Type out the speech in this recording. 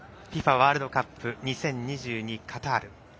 ワールドカップ２０２２カタール。